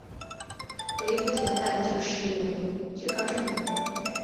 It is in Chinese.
唯一不足的大概就是有惧高症吧。